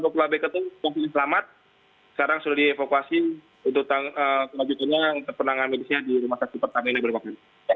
sekarang sudah dievakuasi untuk kelanjutannya untuk penanganan medisnya di rumah sakit pertama ini